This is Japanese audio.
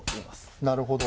なるほど。